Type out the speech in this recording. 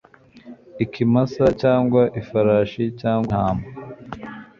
ikimasa cyangwa ifarashi cyangwa intama